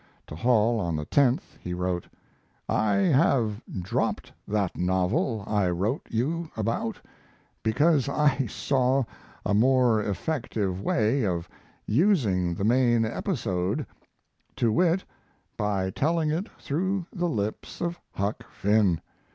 To Hall on the 10th he wrote: I have dropped that novel I wrote you about because I saw a more effective way of using the main episode to wit, by telling it through the lips of Huck Finn.